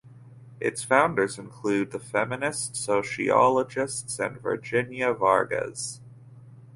Its founders include the feminist sociologists and Virginia Vargas.